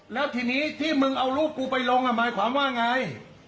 แล้วทีนี้ที่มึงเอารูปกูไปลงหมายความว่าไง